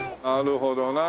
なるほどな。